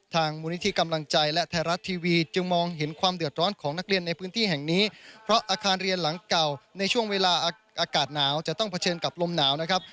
มูลนิธิกำลังใจและไทยรัฐทีวีจึงมองเห็นความเดือดร้อนของนักเรียนในพื้นที่แห่งนี้เพราะอาคารเรียนหลังเก่าในช่วงเวลาอากาศหนาวจะต้องเผชิญกับลมหนาวนะครับ